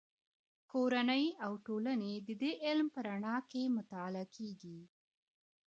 کورنۍ او ټولنې د دې علم په رڼا کې مطالعه کېږي.